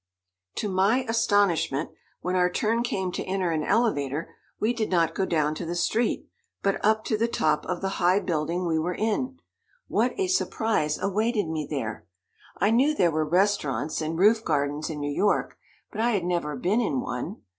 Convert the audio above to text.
To my astonishment, when our turn came to enter an elevator, we did not go down to the street, but up to the top of the high building we were in. What a surprise awaited me there. I knew there were restaurants and roof gardens in New York, but I had never been in one.